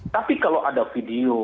tapi kalau ada video